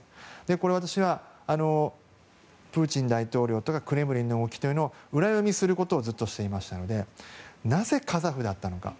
これは私はプーチン大統領とかクレムリンの動きを裏読みすることをずっとしていましたのでなぜ、カザフだったのか。